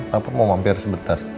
papa mau mampir sebentar